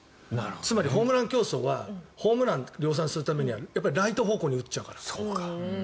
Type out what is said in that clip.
つまりホームラン競争はホームラン量産するためにライト方向に打っちゃうから。